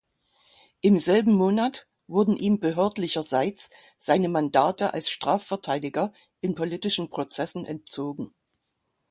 Im selben Monat wurden ihm behördlicherseits seine Mandate als Strafverteidiger in politischen Prozessen entzogen.